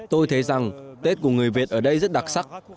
tôi thấy rằng tết của người việt ở đây rất đặc sắc